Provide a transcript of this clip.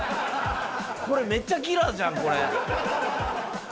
これ、めっちゃキラーじゃん、これ。